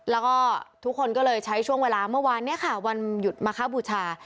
แล้วก็ทุกคนก็เลยใช้ช่วงเวลาเมื่อวานนี้ค่ะวันหยุดมาคบูชา